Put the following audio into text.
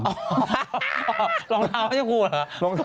รองเท้าไม่ใช่ครูเหรอ